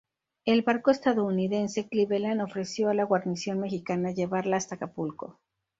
El barco estadounidense "Cleveland" ofreció a la guarnición mexicana llevarla hasta Acapulco.